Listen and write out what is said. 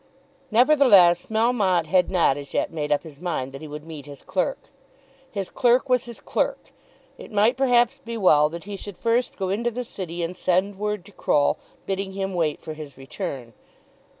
Nevertheless Melmotte had not as yet made up his mind that he would meet his clerk. His clerk was his clerk. It might perhaps be well that he should first go into the City and send word to Croll, bidding him wait for his return.